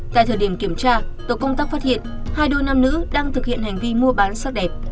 tại thời điểm kiểm tra tổ công tác phát hiện hai đôi nam nữ đang thực hiện hành vi mua bán sắc đẹp